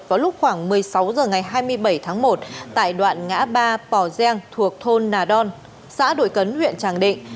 vào lúc khoảng một mươi sáu h ngày hai mươi bảy tháng một tại đoạn ngã ba pò giang thuộc thôn nà đon xã đội cấn huyện tràng định